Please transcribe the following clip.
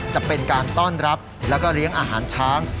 จะเป็นการต้อนรับแล้วก็เลี้ยงอาหารช้าง